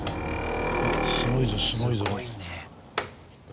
すごいぞすごいぞ。